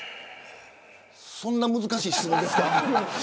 そんな難しい質問ですか。